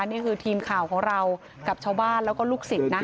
นี่คือทีมข่าวของเรากับชาวบ้านแล้วก็ลูกศิษย์นะ